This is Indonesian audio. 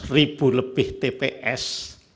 delapan ratus ribu lebih tps